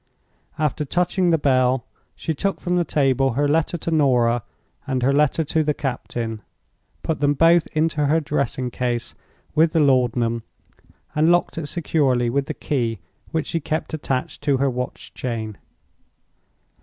After touching the bell, she took from the table her letter to Norah and her letter to the captain, put them both into her dressing case with the laudanum, and locked it securely with the key which she kept attached to her watch chain.